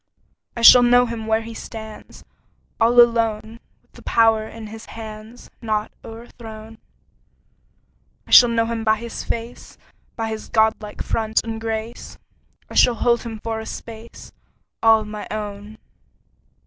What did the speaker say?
I shall know him where he stands All alone, 10 With the power in his hands Not o'erthrown; I shall know him by his face, By his godlike front and grace; I shall hold him for a space 15 All my own!